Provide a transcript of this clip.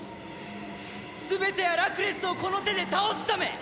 全てはラクレスをこの手で倒すため！